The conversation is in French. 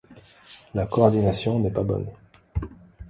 La coordination n'est pas bonne.